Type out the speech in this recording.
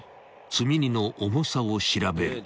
積み荷の重さを調べる］